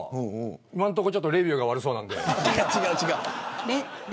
今のところレビューが悪そうなんで。